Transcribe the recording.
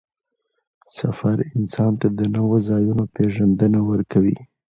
سفر انسان ته د نوو ځایونو پېژندنه ورکوي